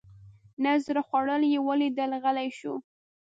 نه زړه خوړل یې ولیدل غلی شو.